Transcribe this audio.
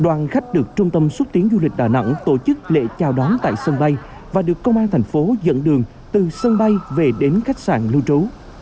đoàn khách được trung tâm xúc tiến du lịch đà nẵng tổ chức lễ chào đón tại sân bay và được công an thành phố dẫn đường từ sân bay về đến khách sạn lưu trú